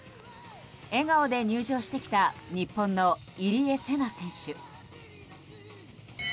笑顔で入場してきた日本の入江聖奈選手。